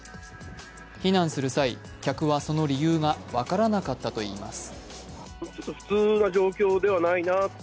避難する際、客はその理由が分からなかったといいます。